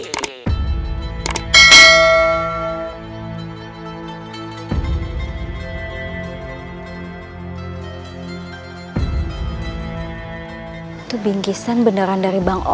itu bingkisan beneran dari bang ocit ya